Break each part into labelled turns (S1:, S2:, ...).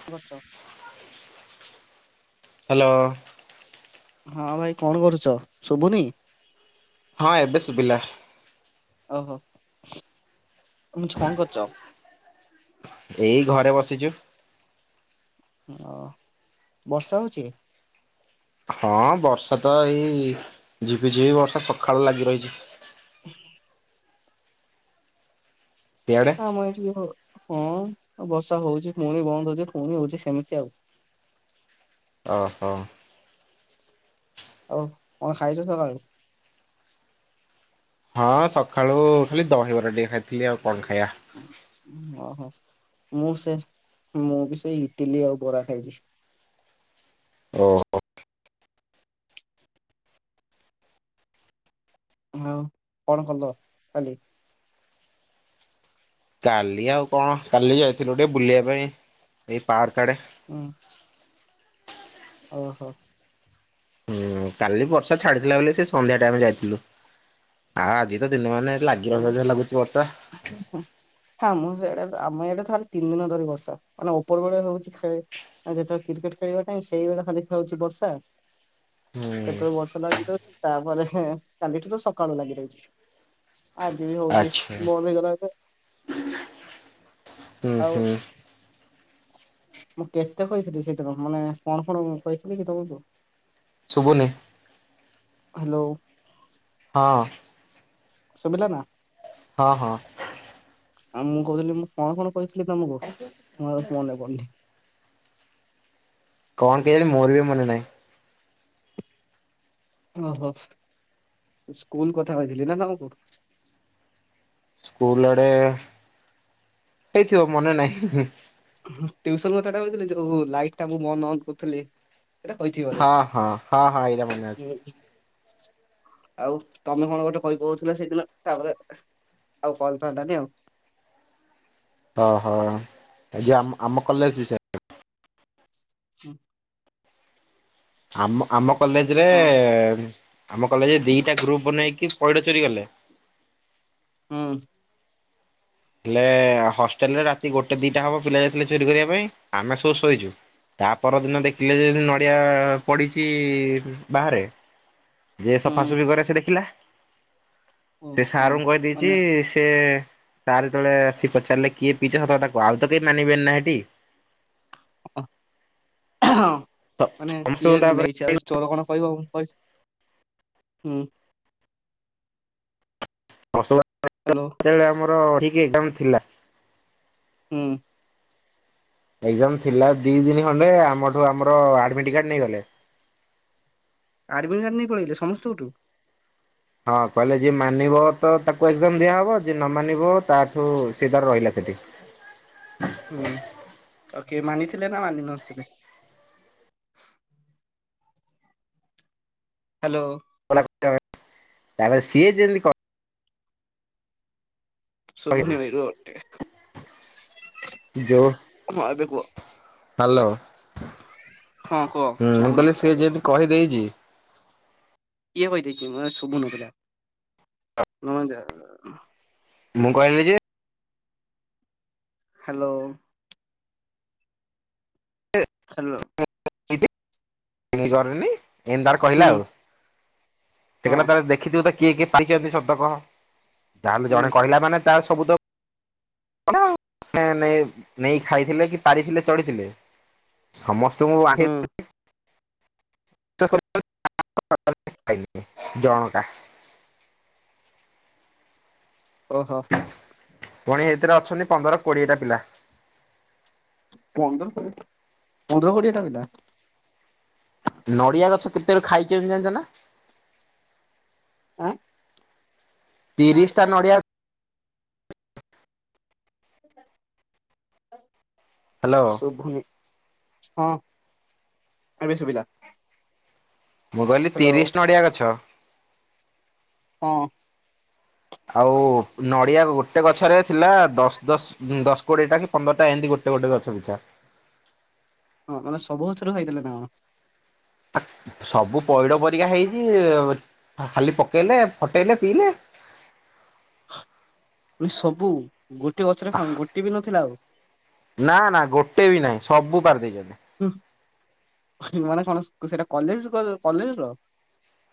S1: କଣ କରୁଚ?
S2: ହାଲୋ।
S1: ହଁ ଭାଇ କଣ କରୁଛ? ଶୁଭୁନି।
S2: ହଁ ଏବେ ଶୁବିଲା।
S1: ଓହୋ ତମଛ କଣ କରୁଛ?
S2: ଏଇ ଘରେ ବସିଛୁ।
S1: ଓ ବର୍ଷା ହଉଛି?
S2: ହଁ ବର୍ଷା ତ ଏଇ ଝିପି ଝିପି ବର୍ଷା ସକାଳୁ ଲାଗି ରହିଛି।
S1: ହ
S2: ସିଆଡେ
S1: ଆମ୍ ଏଠି ହଁ ବର୍ଷା ହଉଛି ପୁଣି ବନ୍ଦ ହଉଛି ପୁଣି ହଉଛି ସେମିତି ଆଉ।
S2: ଓହୋ।
S1: ଆଉ କଣ ଖାଇଛ ସକାଳେ?
S2: ହଁ ସକାଳୁ ଖାଲି ଦହିବରା ଟିକେ ଖାଇଥିଲି ଆଉ କଣ ଖାଇବା?
S1: ଓହୋ ମୁଁ ସେ ମୁଁ ବି ସେଇ ଇଟିଲି ଆଉ ବରା ଖାଇଛି।
S2: ଓହ
S1: ଆଉ କଣ କଲ କାଲି?
S2: କାଲି ଆଉ କଣ କାଲି ଯାଇଥିଲୁ ଟିକେ ବୁଲିବା ପାଇଁ ଏଇ ପାର୍କ ଆଡେ।
S1: ହୁଁ। ଓହୋ।
S2: ହୁଁ କାଲି ବର୍ଷା ଛାଡିଥିଲା ବୋଲି ସେ ସନ୍ଧ୍ୟା ଟାଇମ ରେ ଯାଇଥିଲୁ। ଆଉ ଆଜି ତ ଦିନ ମାନେ ଲାଗି ରହିବ ଲାଗୁଛି ବର୍ଷା।
S1: ଉ ହୁଁ। ହଁ ମୁଁ ସିଆଡେ ତ ଆମ ଇଆଡେ ତ ଖାଲି ତିନି ଦିନ ଧରି ବର୍ଷା ଉପରବେଳେ ରହୁଛି ଖେଳି ଆଉ ଯେତେବେଳେ କ୍ରିକେଟ ଖେଳିବା ପାଇଁ ସେଇବେଳ ଖାଲି ହଉଛି ବର୍ଷା।
S2: ହୁଁ
S1: ସେତେବେଳେ ବର୍ଷ ଲାଗି ରହୁଛି ତାପରେ ହେଁ କାଲିଠୁ ତ ସକାଳୁ ଲାଗି ରହୁଛି। ଆଜି ବି ହଉଛି
S2: ଆଚ୍ଛା
S1: ବନ୍ଦ ହେଇଗଲ ତେ
S2: ହୁଁ
S1: ଆଉ।
S2: ହୁଁ
S1: ମୁଁ କେତେ କହିଥିଲି ସେଇଥିରୁ ମାନେ କଣ କଣ କହିଥିଲି କି ତମକୁ?
S2: ଶୁବୁନି?
S1: ହ୍ୟାଲୋ।
S2: ହଁ।
S1: ଶୁଭିଲା ନା?
S2: ହଁ ହଁ।
S1: ଆଉ ମୁଁ କହୁଥିଲି ମୁଁ କଣ କଣ କହିଥିଲି ତମକୁ ମୋର ଆଉ ମନେ ପଡୁନି।
S2: କଣ କେଜାଣି ମୋର ବି ମନେ ନାହିଁ।
S1: ଓହୋ ସ୍କୁଲ କଥା କହିଥିଲି ନା ତମକୁ?
S2: ସ୍କୁଲ ଆଡେ ହେଇଥିବ ମନେ ନାହିଁ।
S1: ଟିୟୁସନ୍ କଥାଟା କହିଥିଲ ଯୋଉ ଲାଇଟ ଟା ମୁଁ ବନ୍ଦ ଅନ୍ କରୁଥିଲି। ସେଇଟା କହିଥିବି ବୋଧେ
S2: ହଁ ହଁ ହଁ ହଁ ଏଇଟା ମନେ ଅଛି।
S1: ହୁଁ, ଆଉ ତମେ କଣ ଗୋଟେ କହିପକଉଥିଲ ସେଇଦିନ ତାପରେ ଆଉ କଲ ତ ହେଲାନି ଆଉ
S2: ଓହୋ ଯୁ ଆମ ଆମ କଲେଜ ବିଷୟ
S1: ହୁଁ।
S2: ଆମ ଆମ କଲେଜରେ
S1: ହଁ
S2: ଆମ କଲେଜରେ ଦିଟା ଗ୍ରୁପ ବନେଇକି ପଇଡ ଚୋରି କଲେ।
S1: ହୁଁ।
S2: ହେଲେ ହଷ୍ଟେଲରେ ରାତି ଗୋଟେ ଦିଟା ହବ ପିଲା ଯାଇଥିଲେ ଚୋରି କରିବା ପାଇଁ ଆମେ ସବୁ ଶୋଇଛୁ। ତା ପରଦିନ ଦେଖିଲେ ଯେ ନଡିଆ ପଡିଛି ବାହାରେ। ଯିଏ
S1: ହୁଁ
S2: ସଫାସଫି କରେ ସେ ଦେଖିଲା
S1: ହୁଁ
S2: ସେ
S1: ହୁଁ
S2: ସାରଙ୍କୁ
S1: ମାନେ
S2: କହିଦେଇଛି ସେ ସାରେ ଯେତେବେଳ ଆସି ପଚାରିଲେ କିଏ ପିଇଛ ସତ କଥା କୁହ ଆଉ ତ କେହି ମାନିବେନି ନା ହେଠି।
S1: ହ ହଁ ମାନେ କିଏ
S2: ସମସ୍ତଙ୍କୁ ତାପରେ
S1: ନେଇଛି ଆଉ ଚୋର କଣ କହିବ ମୁଁ କହିଁଚି ହୁଁ।
S2: ଫସ [unintelligible]
S1: ହାଲୋ।
S2: ଯେତେବେଳେ ଆମର ଠିକ ଏକ୍ଜାମ୍ ଥିଲା।
S1: ହୁଁ।
S2: ଏକ୍ଜାମ ଥିଲା ଦି ଦିନି ଖଣ୍ଡେ ଆମଠୁ ଆମର ଆଡ଼ମିଟ କାର୍ଡ ନେଇଗଲେ।
S1: ଆଡ୍ମିଟ୍ କାର୍ଡ ନେଇ ପଳେଇଥିଲେଲେ ସମସ୍ତଙ୍କଠୁ।
S2: ହଁ କହିଲେ ଯଏ ମାନିବ ତ ତାକୁ ଏକ୍ଜାମ ଦିଆହବ ଯ ନ ମାନିବ ତାଠୁ ସିଧା ରହିଲା ସେଠି।
S1: ହୁଁ କିଏ ମାନିଥିଲେ ନା ମାନି ନଥିଲେ? ହାଲୋ
S2: ତାପରେ ସିଏ ଯେମିତି କ
S1: ଶୁଭୁନି ଭାଇ ରୁହ ଟିକେ
S2: ଯୋଉ
S1: ହଁ ଏବେ କୁହ।
S2: ହ୍ୟାଲୋ
S1: ହଁ କୁହ
S2: ହୁଁ ମୁଁ
S1: ଶୁଭୁ
S2: କହିଲି
S1: ନଥିଲା
S2: ସିଏ
S1: ଏବେ କୁହ
S2: ଯେମିତି କହିଦେଇଛି।
S1: କିଏ କହି ଦେଇଛି ମୋତେ ଶୁଭୁନ ଥିଲା ନ ଯ
S2: ମୁଁ କହିଲି ଯେ
S1: ହାଲୋ
S2: [unintelligible]
S1: ହାଲୋ
S2: ମୁଁ କରି ନି ଏଇଁ ତାର କହିଲା
S1: ହୁଁ
S2: ଆଉ ସେ
S1: ହଁ
S2: କିହିଲା ତାର ଦେଖିଥିବୁ ତ କିଏ କିଏ ପାଇଛନ୍ତି ଶବ୍ଦ କହ ଯାହାହେଲେ
S1: ହୁଁ
S2: ଜଣେ କହିଲା ମାନେ ତାର ସବୁ ତ ନେଇ ନେଇ ଖାଇଥିଲେ କି ପାରିଥିଲେ ଚଢ଼ିଥିଲେ ସମସ୍ତଙ୍କୁ
S1: ହୁଁ
S2: ବିଶ୍ବାସ [inaudible] ଜଣକା
S1: ଓହୋ।
S2: ପୁଣି ଏଇଥିରେ ଅଛନ୍ତି ପନ୍ଦର କୋଡି଼ଏଟା ପିଲା।
S1: ପନ୍ଦର କୋଡ଼ିଏ ପନ୍ଦର କୋଡ଼ିଏ ଟା ପିଲା।
S2: ନଡ଼ିଆ ଗଛ କେତେବେଳେ ଖାଇଛନ୍ତି ଜାଣିଛ ନା?
S1: ଆଁ।
S2: ତିରିଶିଟା ନଡି଼ଆ। ହ୍ୟାଲୋ
S1: ଶୁଭୁନି ହଁ ଏବେ ଶୁଭିଲା।
S2: ମୁଁ କହିଲି
S1: ହ୍ୟାଲୋ
S2: ତିରିଶ୍ ନଡ଼ିଆ ଗଛ।
S1: ହଁ।
S2: ଆଉ ନଡ଼ିଆ ଗୋଟେ ଗଛରେ ଥିଲା ଦଶ୍ ଦଶ୍ ଦଶ କୋଡି଼ଏ ଟା କି ପନ୍ଦରଟା ଏମିତି ଗୋଟେ ଗୋଟେ ଗଛ ପିଛା।
S1: ହଁ ମାନେ ସବୁ ଗଛରୁ ଖାଇଦେଲେ ନା କଣ?
S2: ଆ ସବୁ ପଇଡ଼ ପରିକା ହେଇଛି ଖାଲି ପକେଇଲେ ଫଟେଇଲେ ପିଇଲେ।
S1: ପୁଣି ସବୁ ଗୋଟିଏ ଗଛରେ ଗୋଟେ ବି ନଥିଲା ଆଉ।
S2: ନା ନା ଗୋଟେ ବି ନାହିଁ ସବୁ ପାରିଦେଇଛନ୍ତି।
S1: ହୁଁ ମାନେ କଣ ସେଟା କଲେଜ୍ କଲେଜ୍ ର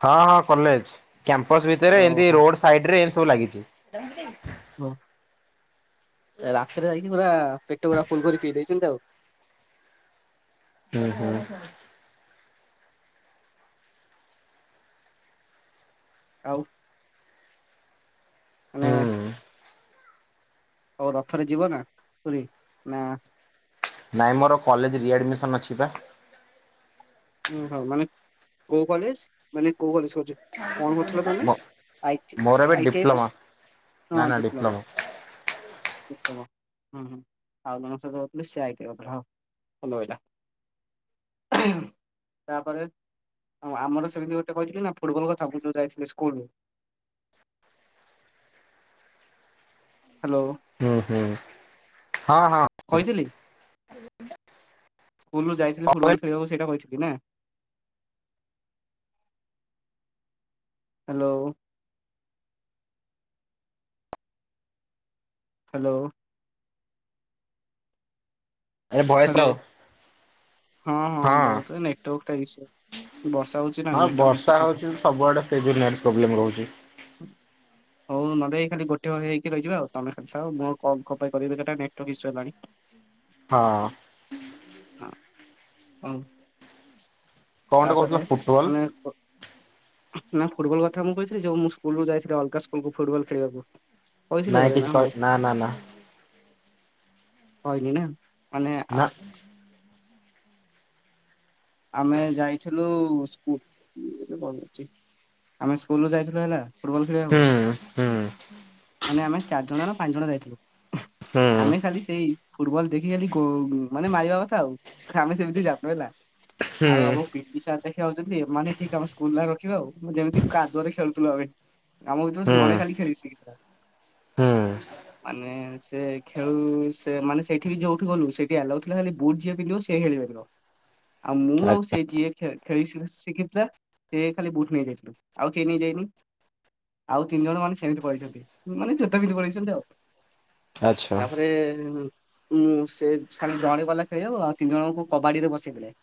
S2: ହଁ ହଁ କଲେଜ୍ କ୍ୟାମ୍ପସ୍ ଭିତରେ ଏନ୍ତି
S1: ଓହୋ
S2: ରୋଡ ସାଇଟରେ ଏନ୍ତି ସବୁ ଲାଗିଛି।
S1: ହଁ। ରାତିରେ ଯାଇକି ପୁରା ପେଟ ପୁରା ଫୁଲ କରିକି ପିଇ ଦେଇଛନ୍ତି ଆଉ।
S2: ହୁଁ ହୁଁ।
S1: ଆଉ ମାନେ
S2: ହୁଁ।
S1: ଆଉ ରଥରେ ଯିବ ନା ପୁରୀ ନା
S2: ନଇଁ ମୋର କଲେଜ ରି ଆଡ଼ମିସନ୍ ଅଛି ବା।
S1: ଉୁଁ ହଉ ମାନେ କୋଉ କଲେଜ ମାନେ କୋଉ କଲେଜି କହୁଛି। କଣ କରୁଥିଲ ତମେ
S2: ମୋ
S1: ଆଇଟି
S2: ମୋର ଏବେ
S1: ଆଇଟି ଆଇ ଟି ଆଇ ପା
S2: ଡିପ୍ଲୋମା ନା
S1: ହଁ
S2: ନା
S1: ଡିପ୍ଲୋମା। ହୁଁ ହୁଁ ଆଉ ଜଣଙ୍କ ସହିତ କରୁଥିଲେ ସେ ଆଇ ଟି ଆଇ କରୁଥିଲା ହଉ ଭଲ ହେଲା। ତାପରେ ଆଉ ଆମର ସେମିତି ଗୋଟେ କହିଥିଲି ନା ଫୁଟୁବଲ୍ କଥା ମୁଁ ଯଉ ଯାଇଥିଲି ସ୍କୁଲ୍ ରୁ ହ୍ୟାଲୋ
S2: ହୁଁ ହୁଁ ହଁ ହଁ
S1: କହିଥିଲି ସ୍କୁଲ ରୁ ଯାଇଥିଲି
S2: ହଁ
S1: ଫୁଟବଲ ଖେଳିବାକୁ ସେଇଟା କହିଥିଲି ନା। ହ୍ୟାଲୋ। ହ୍ୟାଲୋ।
S2: ଏ ଭୟସ
S1: ହ୍ୟାଲୋ
S2: ଆଉ [unintelligible]
S1: ହଁ ହଁ ବହୁତ ଏ ନେଟୱାର୍କ ଟା ଇସୁ ବର୍ଷା ହଉଛି ନା
S2: ହଁ
S1: ନେଟୱାର୍କ ଇସୁ
S2: ବର୍ଷା
S1: ଥିବ
S2: ହଉଛି ସବୁଆଡେ ସେ ଜୁନିଅର୍ ପ୍ରବ୍ଲେମ ରହୁଛି।
S1: [inaudible] ହଉ ନହେଲେଇ ଖାଲି ଗୋଟଏ ହେଇକି ରହିଯିବା ଆଉ ତମେ କଚ୍ଚା ହୁଏ ମୁଁ ଆଉ କଲ କପାଇ କରିବି ବେକାର ଟା ହେନେ ନେଟୱର୍କ ଇସୁ ହେଲାଣି।
S2: ହଁ।
S1: ହଁ ହ
S2: କଣ ଟେ କହୁଥିଲ
S1: ତାପରେ
S2: ଫୁଟବଲ
S1: ମାନେ ନା ଫୁଟବଲ କଥା ମୁଁ କହିଥିଲି ଯୋଉ ମୁଁ ସ୍କୁଲରୁୁ ଯାଇଥିଲି ଅଲଗା ସ୍କୁଲକୁୁ ଫୁଟବଲ ଖେଳିବାକୁ। କହିଥିଲି
S2: ନାଇଁ
S1: ବୋଧେ
S2: କିଛି
S1: ନା
S2: କହି
S1: କଣ
S2: ନା ନା
S1: କହିନି ନା ମାନେ
S2: ନା।
S1: ଆମେ ଯାଇଥିଲୁ ସ୍କୁଲ ଆମେ ସ୍କୁଲୁ ରୁ ଯାଇଥିଲୁ ହେଲା। ଫୁଟବଲ ଖେଳିବାକୁ
S2: ହୁଁ ହୁଁ
S1: ମାନେ ଆମେ ଚାରି ଜଣ ନା ପାଞ୍ଚ ଜଣ ଯାଇଥିଲୁ।
S2: ହୁଁ
S1: ଆମେ ଖାଲି ସେଇ ଫୁଟବଲ ଦେଖି ଖାଲି କୋଉ ମାନେ ମାଇବା କଥା ଆଉ ଆମେ ସେମିତି ଜା ହେଲା।
S2: ହୁଁ
S1: ଆଉ ଆବ ପିଟି ସାର୍ ଦେଖ ଯାଉଛନ୍ତି ଏମାନେ ଠିକ ଆମ ସ୍କୁଲ ରଖିବା ଆଉ ଯେମିତି କାଦୁଆରେ ଖେଳୁଥିଲୁ ଆମେ। ଆମ ଭିତରୁ
S2: ହୁଁ
S1: ଜଣେ ଖାଲି ଖେଳି ଶିଖିଥିଲା
S2: ହୁଁ
S1: ମାନେ ସେ ଖେଳୁ ସେ ମାନେ ସେଇଠି ବି ଯୋଉଠି ଗଲୁ ସେଇଠି ଆଲାଉ ଥିଲା। ଖାଲି ବୁଟୁ ଯିଏ ପିନ୍ଧିବ ସେଏ ଖେଳିପାରିବ ଆଉ ମୁଁ ଆଉ ସେ ଯିଏ ଖେଳେ ଖେଳି ସି ଶିଖିଥିଲା ସେ ଖାଲି ବୁଟୁ ନେଇଯାଇଥିଲୁ ଆଉ କିଏ ନେଇଯାଇନି। ଆଉ ତିନି ଜଣ ମାନେ ସେମିତି ପଳେଇଛନ୍ତି ମାନେ ଜୋତା ପିନ୍ଧି ପଳେଇଛନ୍ତି ଆଉ।
S2: ଆଚ୍ଛା
S1: ତାପରେ ଉଁ ସେ ଖାଲି ଜଣେ ଗଲା ଖେଳିବ ଆଉ ତିନି ଜଣଙ୍କୁ କବାଡିରେ ବସେଇଦେଲେ।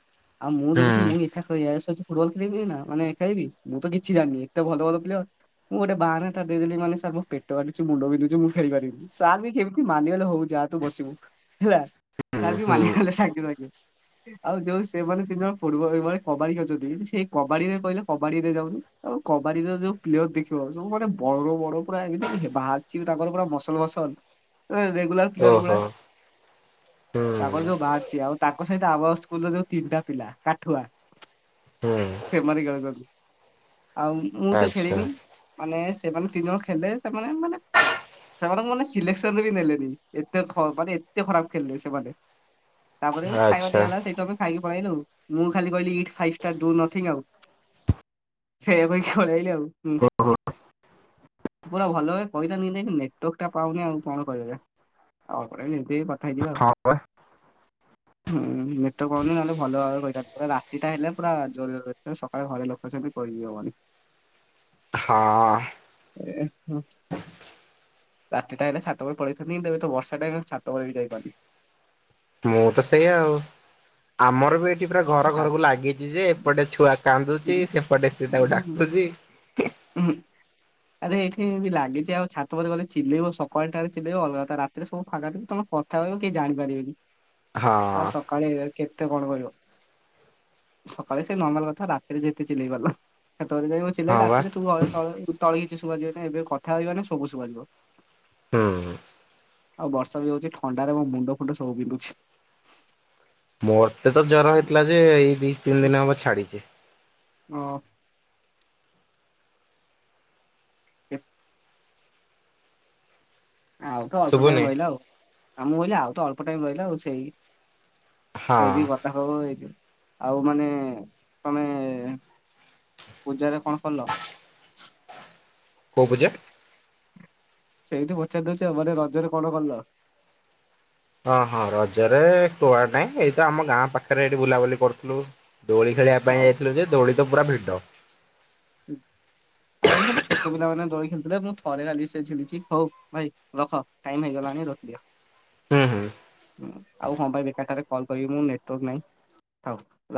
S1: ଆଉ ମୁଁ
S2: ହୁଁ।
S1: ଦେଖୁଛି ମୁଁ ଏକା। ତ ୟ ସହିତ ଫୁଟୁବଲ୍ ଖେଳିବି ନା ମାନ ଖେିବି ମୁଁ ତ କିଛିି ଜାଣିନି ଏତେ ଭଲ ଭଲ ପ୍ଲେୟର। ମୁଁ ଗୋଟେ ବାହାରୋଥା ଦେଇ ଦେଲି ମାନେ ସାର୍ ପେଟ କାଟୁଛି ମୁଣ୍ଡ ବିନ୍ଧୁଛି ମୁଁ ଖେଳି ପାରିବିନି [unintelligible] ସାର୍ ବି କେମିତି ମାନିଗଲେ ହଉ ଯାହା ତୁ ବସିବୁ ହେଲା
S2: ହୁଁ
S1: ସାର୍ ବି
S2: ହୁଁ
S1: ମାନିଗଲେ ସାଙ୍ଗେ ସାଙ୍ଗେ। ଆଉ ଯୋଉ ସେମାନେ ତିନି ଜଣ ଫୁଟବଲେ କବାଡି ଖେଳୁଛନ୍ତି ସେଇ କବାଡିରେ କହିଲେ କବାଡି ରେ ଯାଉନୁ। ଆଉ କବାଡିର ଯୋଉ ପ୍ଲେୟର ଦେଖିବ ସବୁ ମାନେ ବଡ ବଡ ପୁରା ଏମିତି ବାହାରିଛି ତାଙ୍କର ପୁରା ମସଲ ଫସଲ। ଏ ରେଗୁଲାର ପିଲାଗୁଡା।
S2: ଓହୋ ହୁଁ
S1: ତାଙ୍କ ଯୋଉ ବାହାରିଛି ଆଉ ତାଙ୍କ ସହିତ ଆବ ସ୍କୁଲରେ ଯୋଉ ତିନିଟା ପିଲା କାଠୁଆ
S2: ହୁଁ
S1: ସେମାନେ ଖେଳୁଛନ୍ତି। ଆଉ ମୁଁ ତ
S2: ଆଚ୍ଛା
S1: ଖେଳିିନି। ମାନେ ସେମାନେ ତିନି ଜଣ ଖେଳିଲେ। ସେମାନେ ମାନେ ସେମାନଙ୍କୁ ମାନେ ସିଲେକ୍ସନରେ ବି ନେଲେନି। ଏତେ ଖ ମାନେ ଏତେ ଖରାପ ଖେଳିଲେ ସେମାନେ। ତାପରେଆଉ ଖାଇବା
S2: ଆଚ୍ଛା
S1: ଦିଆ ହେଲା। ସେଇଟୁ ଆମେ ଖାଇକି ପଳେଇଆଇନୁ ମୁଁ ଖାଲି କହିଲି ଇ [unintelligible] ନି ଆଉ। ସେଇଆ ପାଇଁ ଚଳେଇଲେ ଆଉ ହୁଁ। ପୁରା ଭଲ ହୁଏ ପଇସା ନିଦକି ନେଟକ ଟା ପାଉନି ଆଉ କଣ କରିବେ। [unintelligible] କଥା ହେଇଯିବା
S2: ହଁ ବା
S1: ଆଉ ହୁଁ। ତ ଗନି ନହେଲେ ଭଲ ଭାବରେ କହିଥା ରାତିଟା ହେଲେ ପୁରା ଜୋର ସକାଳେ ଘରେ ଲୋକ ସେମିତି କହିି ହବନି। [inaudible]
S2: ହଁ।
S1: ଏ ହଁ। ରାତି ଟା ହେଲେ ଛାତବେଳେ ପଳେଇଛନ୍ତିି। ତ ଏବେ ତ ବର୍ଷା ଟାଇମ ଛାତଉପରେ ବି ଯାଇପାରୁନି।
S2: ମୁଁ ତ ସେଇଆ ଆଉ ଆମର ବି ଏଇଠି ପୁରା ଘର
S1: ଛା
S2: ଘରକୁ ଲାଗିଛି ଯେ ଏପଟେ ଛୁଆ କାନ୍ଦୁଛି
S1: ଉଁ
S2: ସେପଟେ ସେ ତାକୁ ଡାକୁଛି।
S1: ହୁଁ। ଆରେ ଏଠି ବି ଲାଗିଚି ଆଉ ଛାତ ଫାତ ବୋଧେ ଚିଲେଇବ ସକାଳ ଟାରେ ଚିଲେଇବ ଅଲଗା ରାତିରେ ସବୁ ଫାଙ୍କା ତମ କ ଥା ହବ କେହି ଜାଣିପାରିବେନି।
S2: ହଁ।
S1: କାଳେ କେତେ କଣ କରବ ସକାଳେ ସେ ନର୍ମାଲ କଥା ରାତିରେ ଯେତେ ଚିଲେଇ ପାରିଲ। [unintelligible] ଯାଇିବ ଚିଲେଇଲେ
S2: ହଁ ବା
S1: ରାତିରେ ତୁ ତଳେ ତଳେ ତଳେ କିଛି ଶୁବାଯିବନ ଏବେ କଥା ହଇବାନି ସବୁ ଶୁବାଯିବ।
S2: ହୁଁ।
S1: ଆଉ ବର୍ଷା ବି ହଉଚି ଥଣ୍ଡାରେ ମୋ ମୁଣ୍ଡ ଫୁଣ୍ଡ ସବୁ ବିିନ୍ଧୁଛି।
S2: ମୋରତେ ତ ଜର ହେଇଥିଲା ଯେ ଏଇ ଦି ତିନି ଦିନି ହବ ଛାଡିଚି।
S1: ଓ। [unintelligible] ଆଉ ତ ଅଳ୍ପ ଟାଇମ
S2: ଶୁଭୁନି
S1: ରହିଲା ଆଉ ଆଉ ମୁଁ କହିଲି ଆଉ ତ ଅଳ୍ପ ଟାଇମ ରହିଲା ଆଉ ସେଇ
S2: ହଁ
S1: ସେବି କଥା ହୋଉ ହୋଉ ଏ ଯୋଉ ଆଉ ମାନେ ତମେ ପୂଜା ରେ କଣ କଲ?
S2: କଉ ପୁଜା?
S1: ସେଇଠି ପଚାରି ଦଉଚି ଆ ମାନେ ରଜରେ କଣ କଲ?
S2: ଅ ହଁ ରଜରେ କୁଆଡ ନାଇଁ ଏଇତ ଆମ ଗାଁ ପାଖରେ ଏଇଠି ବୁଲାବୁଲି କରୁଥୁଲୁ। ଦୋଳି ଖେଳିବା
S1: ହଁ
S2: ପାଇଁ ଯାଇଥିଲୁ ଯେ ଦୋଳି ତ ପୁରା ଭିଡ଼।
S1: ହୁଁ। ଆଉ ଏଠି ଖଲି ଛୋଟ ପିଲାମାନୋନ ଦଳି ଖେଳୁଥିଲେ ମୁଁ ଥରେ ଆଲି ସେ ଝୁଲିଛି ହଉ ଭାଇ ରଖ ଟାଇମ ହେଇଗଲାଣି ରଖିଦିଅ। [inaudible]
S2: ହୁଁ ହୁଁ।
S1: ହଁ ଆଉ ହଁ ପାଇଁ ବେକାରଟାରେ କଲ୍ କରିବି ମୁଁ ନେଟୱାର୍କ ନାହିଁ ଥାଉ।